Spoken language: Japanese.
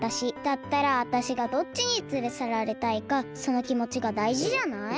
だったらわたしがどっちにつれさられたいかそのきもちがだいじじゃない？